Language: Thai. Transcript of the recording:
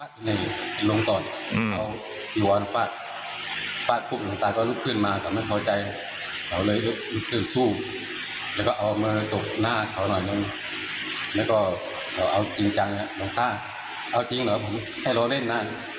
หน้าเขาหน่อยนึงแล้วก็เอาจริงจังแล้วลูกตาเอาจริงเหรอให้เราเล่นหน้า